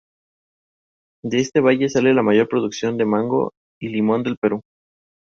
Bergman nació en Brooklyn de padres inmigrantes rusos.